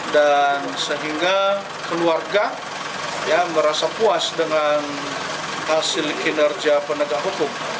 dan sehingga keluarga merasa puas dengan hasil kinerja pendegak hukum